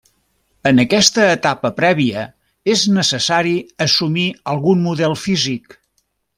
En aquesta etapa prèvia és necessari assumir algun model físic.